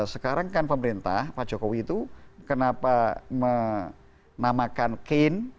sekarang kan pemerintah pak jokowi itu kenapa menamakan kane